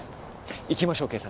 行きましょう警察。